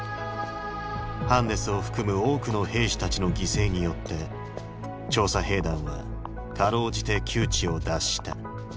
ハンネスを含む多くの兵士たちの犠牲によって調査兵団はかろうじて窮地を脱した。